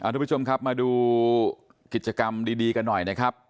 ทุกผู้ชมครับมาดูกิจกรรมดีกันหน่อยนะครับ